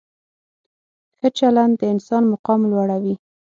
ښه چلند د انسان مقام لوړوي.